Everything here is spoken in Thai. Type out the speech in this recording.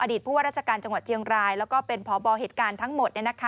ผู้ว่าราชการจังหวัดเชียงรายแล้วก็เป็นพบเหตุการณ์ทั้งหมด